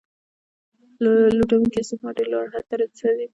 لوټونکی استثمار ډیر لوړ حد ته ورسید.